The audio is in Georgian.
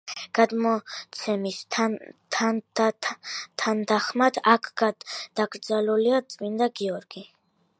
გადმოცემის თანახმად აქ დაკრძალულია წმინდა გიორგი.